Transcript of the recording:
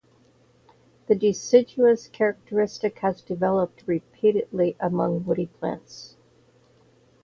The deciduous characteristic has developed repeatedly among woody plants.